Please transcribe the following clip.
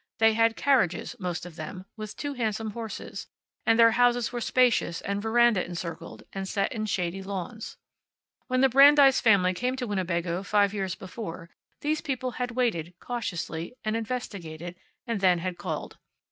They had carriages, most of them, with two handsome horses, and their houses were spacious and veranda encircled, and set in shady lawns. When the Brandeis family came to Winnebago five years before, these people had waited, cautiously, and investigated, and then had called.